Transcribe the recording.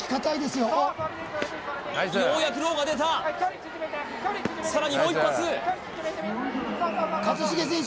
ようやくローが出たさらにもう一発一茂選手